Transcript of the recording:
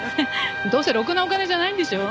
どうせろくなお金じゃないんでしょ？